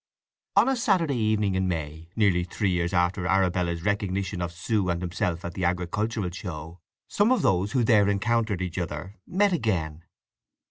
On a Saturday evening in May, nearly three years after Arabella's recognition of Sue and himself at the agricultural show, some of those who there encountered each other met again.